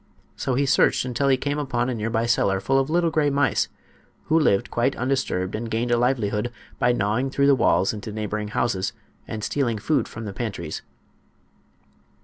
So he searched until he came upon a nearby cellar full of little gray mice, who lived quite undisturbed and gained a livelihood by gnawing through the walls into neighboring houses and stealing food from the pantries.